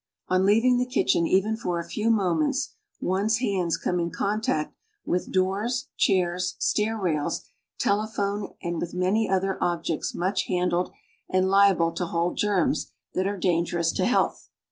On leaving the kitchen even for moments one's hands come in con doors, chairs, stair rails, telephone many other objects much handled and liable to hold germs that are dangerous to health.